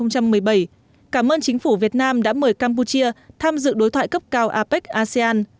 cảm ơn chính phủ việt nam đã mời campuchia tham dự đối thoại cấp cao apec asean